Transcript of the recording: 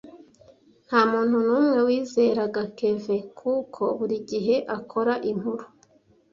Ntamuntu numwe wizeraga Kevin kuko burigihe akora inkuru.